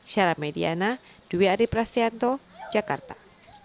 syara mediana dwi adi prasetyanto jakarta